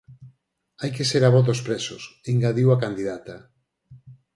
Hai que ser a voz dos presos, engadiu a candidata.